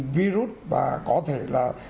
virus và có thể là